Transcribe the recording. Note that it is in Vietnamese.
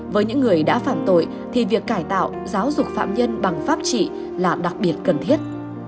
với những người đã phạm tội thì việc cải tạo giáo dục phạm nhân bằng pháp trị là đặc biệt cần thiết